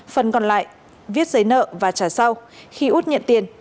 phần còn lại viết giấy nợ và trả sau khi út nhận tiền